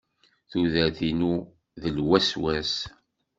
Tuder- inu d lweswas.